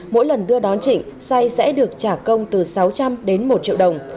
mỗi lần đưa đón trịnh say sẽ được trả công từ sáu trăm linh đến một triệu đồng